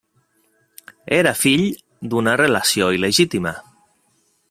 Era fill d'una relació il·legítima.